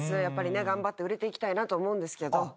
やっぱり頑張って売れていきたいなと思うんですけど。